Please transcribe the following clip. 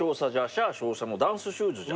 シャー少佐のダンスシューズじゃ！」